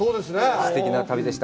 すてきな旅でした。